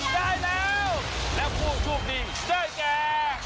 ได้แล้วแล้วภูมิภูมิดีได้แก